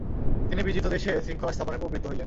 তিনি বিজিত দেশে শৃঙ্খলাস্থাপনে প্রবৃত্ত হইলেন।